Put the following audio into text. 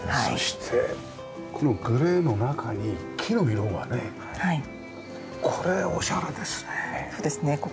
そしてこのグレーの中に木の色がね。これおしゃれですね。